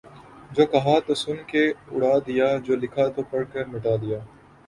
جو کہا تو سن کے اڑا دیا جو لکھا تو پڑھ کے مٹا دیا